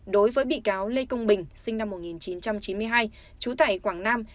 đối với bị cáo lê công bình sinh năm một nghìn chín trăm chín mươi hai trú tại quảng nam